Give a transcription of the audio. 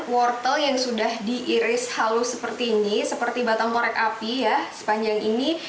wortel yang sudah diiris halus seperti ini seperti batang korek api ya sepanjang ini